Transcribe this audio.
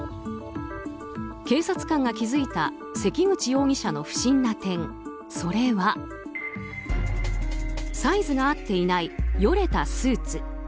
警察官が気付いた関口容疑者の不審な点、それはサイズが合っていないよれたスーツ。